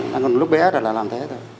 còn lúc bé là làm thế thôi